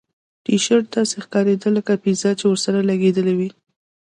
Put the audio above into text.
ټي شرټ داسې ښکاریده لکه پیزا چې ورسره لګیدلې وي